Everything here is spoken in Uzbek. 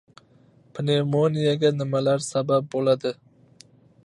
Pnevmoniyaga nimalar sabab bo‘ladi?